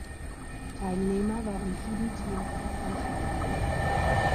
Teilnehmer waren sieben Teams aus Santiago.